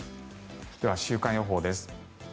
では週間予報です。